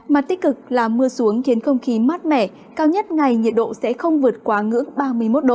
mặt tích cực là mưa xuống khiến không khí mát mẻ cao nhất ngày nhiệt độ sẽ không vượt quá ngưỡng ba mươi một độ